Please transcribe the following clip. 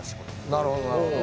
なるほどなるほど。